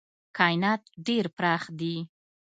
کاینات ډېر پراخ دي.